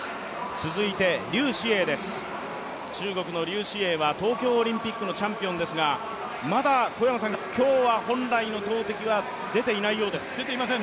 続いて劉詩穎です、中国の劉詩穎は東京オリンピックのチャンピオンですがまだ今日は本来の投てきは出ていないようです。